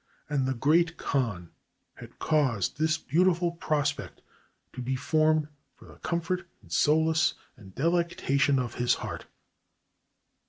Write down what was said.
And the Great Khan had caused this beautiful prospect to be formed for the comfort and solace and delectation of his heart.